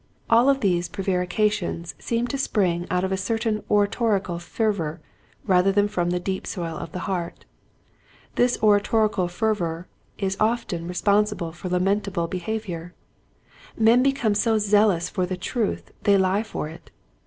All of these prevarications seem to spring out of a certain oratorical fervor rather than from the deep soil of the heart. This oratorical fervor is often responsible for lamentable behavior. Men become so zealous for the truth they lie for it.